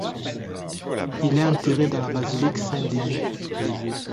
Il est enterré dans la basilique Saint-Denis.